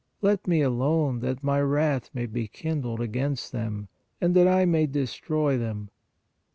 ... Let Me alone, that My wrath may be kindled against them, and that I may destroy them."